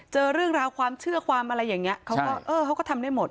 เจอเรื่องราวความเชื่อความอะไรอย่างนี้เขาก็เออเขาก็ทำได้หมด